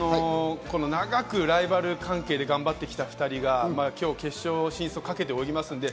長くライバル関係で頑張ってきた２人が今日、決勝進出をかけて泳ぎます。